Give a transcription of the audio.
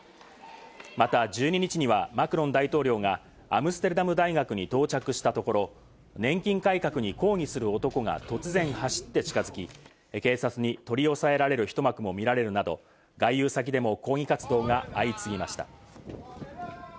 また１２日にはマクロン大統領がアムステルダム大学に到着したところ、年金改革に抗議する男が突然走って近づき、警察に取り押さえられるひと幕も見られるなど外遊先でも抗議活動が相次ぎました。